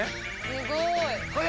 すごい！